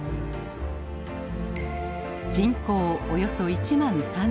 人口およそ１万３，０００。